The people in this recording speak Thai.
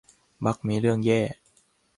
มักมีเรื่องแย่